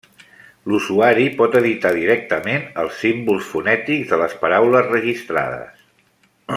L'usuari pot editar directament els símbols fonètics de les paraules registrades.